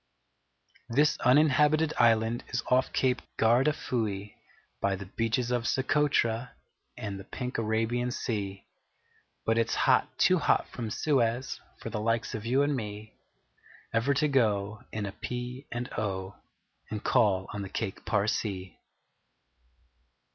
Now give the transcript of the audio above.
THIS Uninhabited Island Is off Cape Gardafui, By the Beaches of Socotra And the Pink Arabian Sea: But it's hot too hot from Suez For the likes of you and me Ever to go In a P. and O. And call on the Cake Parsee!